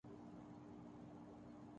یہاں جنس اک شعلہ نہیں، جنس کی آنچ کافی ہے